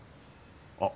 あっ。